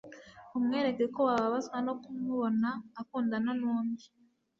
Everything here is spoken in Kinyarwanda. umwereke ko wababazwa no kumubona akundana n'undi